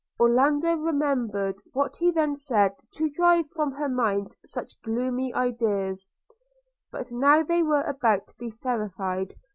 Orlando remembered what he then said to drive from her mind such gloomy ideas; but now they were about to be verified.